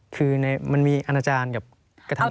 คือมันมีอาจารย์กับกระทำชำระ